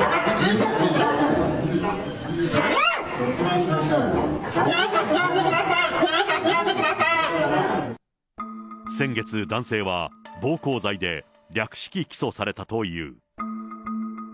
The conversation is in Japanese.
警察呼んでください、先月、男性は暴行罪で略式起訴されたという。